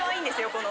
この。